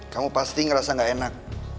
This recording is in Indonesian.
kamu pasti ngerasa gak enak